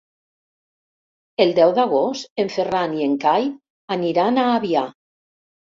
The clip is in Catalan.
El deu d'agost en Ferran i en Cai aniran a Avià.